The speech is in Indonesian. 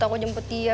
aku jemput dia